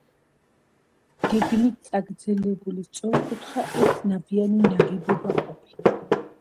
გეგმით წაგრძელებული სწორკუთხა ერთნავიანი ნაგებობა ყოფილა.